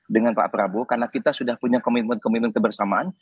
dengan pak prabowo karena kita sudah punya komitmen komitmen kebersamaan